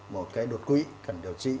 một cái đột quỵ cần điều trí